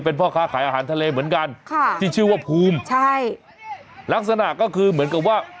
เป็นพ่อค้าขายอาหารทะเลเหมือนกันค่ะที่ชื่อว่าภูมิใช่ลักษณะก็คือเหมือนกับว่า